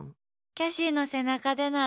キャシーの背中でなら。